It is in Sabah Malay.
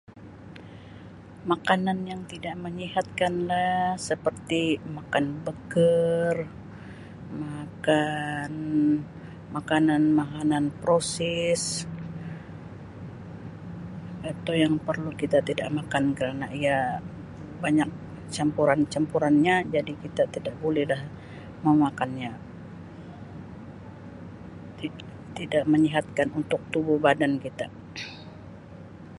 Makanan yang tidak menyihatkan lah seperti makan burger, makan makanan-makanan proses. Itu yang perlu kita tidak makan kerana ia banyak campuran-campurannya jadi kita tidak bolehlah memakannya, ti-tidak menyihatkan untuk tubuh badan kita.